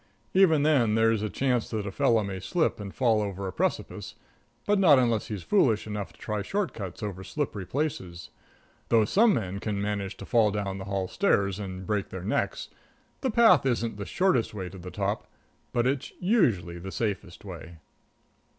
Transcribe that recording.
Even then, there's a chance that a fellow may slip and fall over a precipice, but not unless he's foolish enough to try short cuts over slippery places; though some men can manage to fall down the hall stairs and break their necks. The path isn't the shortest way to the top, but it's usually the safest way.